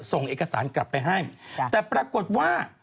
ส่งเอกสารกลับไปให้